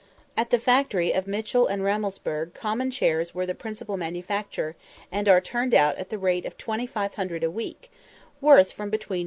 At the factory of Mitchell and Rammelsberg common chairs are the principal manufacture, and are turned out at the rate of 2500 a week, worth from 1_l.